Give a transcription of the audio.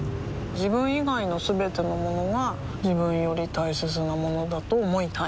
自分以外のすべてのものが自分より大切なものだと思いたい